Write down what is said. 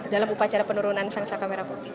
dalam upacara penurunan sang saka merah putih